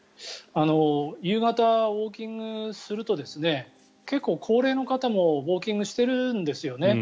夕方、ウォーキングすると結構、高齢の方もウォーキングをしているんですよね。